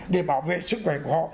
để bảo vệ sức khỏe của họ